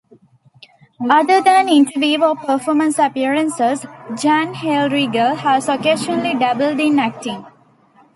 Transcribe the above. Other than interview or performance appearances, Jan Hellriegel has occasionally dabbled in acting.